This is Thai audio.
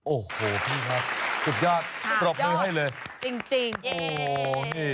โอ้โหพี่ครับสุดยอดปรบมือให้เลยจริง